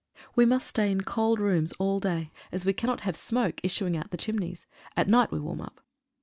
We must stay in cold rooms all day, as we cannot have smoke issuing out of the chimneys. At night we warm up.